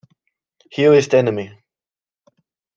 Here is the enemy!